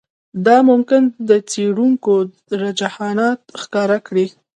دا ممکن د څېړونکو رجحانات ښکاره کړي